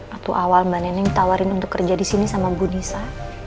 waktu awal mbak neneng tawarin untuk kerja di sini sama bu nisa